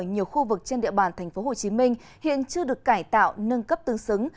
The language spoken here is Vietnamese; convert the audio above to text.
nhiều khu vực trên địa bàn tp hcm hiện chưa được cải tạo nâng cấp tương xứng